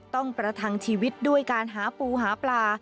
ประทังชีวิตด้วยการหาปูหาปลา